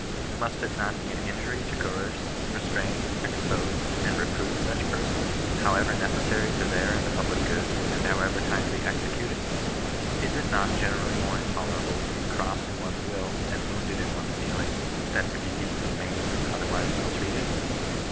Must it not be an injury to coerce, restrain, expose and re prove such persons, however necessary to their and the public good« and however kindly executed 1 Is it aot generally more intolerable to be crossed in one's vxiE^ and wounded in one's feelings, than to be beaten, Tn^yjTOAi^, and otherwise maltreated